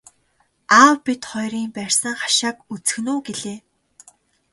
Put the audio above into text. Аав бид хоёрын барьсан хашааг үзэх нь үү гэлээ.